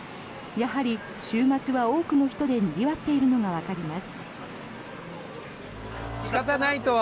やはり週末は多くの人でにぎわっているのがわかります。